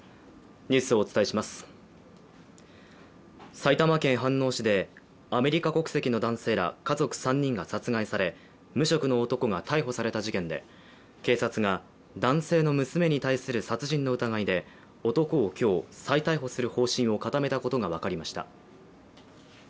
埼玉県飯能市でアメリカ国籍の男性ら家族３人が殺害され無職の男が逮捕された事件で警察が、男性の娘に対する殺人の疑いで男を今日、再逮捕する方針を固めたことが分かりました。